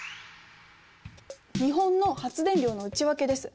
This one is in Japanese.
日本の発電量の内訳です。